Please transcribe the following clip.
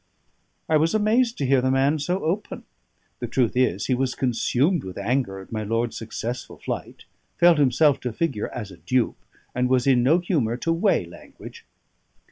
I was amazed to hear the man so open. The truth is, he was consumed with anger at my lord's successful flight, felt himself to figure as a dupe, and was in no humour to weigh language.